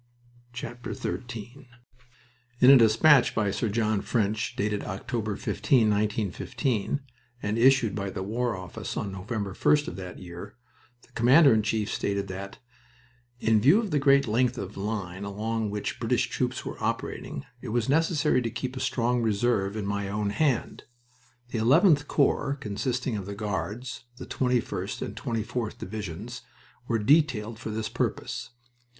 XIII In a despatch by Sir John French, dated October 15, 1915, and issued by the War Office on November 1st of that year, the Commander in Chief stated that: "In view of the great length of line along which the British troops were operating it was necessary to keep a strong reserve in my own hand. The 11th Corps, consisting of the Guards, the 21st and the 24th Divisions, were detailed for this purpose.